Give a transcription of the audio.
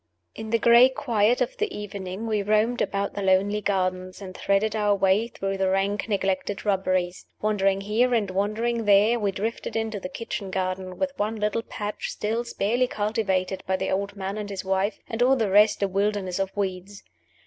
In the gray quiet of the evening we roamed about the lonely gardens, and threaded our way through the rank, neglected shrubberies. Wandering here and wandering there, we drifted into the kitchen garden with one little patch still sparely cultivated by the old man and his wife, and all the rest a wilderness of weeds.